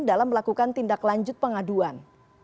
dalam melakukan tindak lanjut pengaduan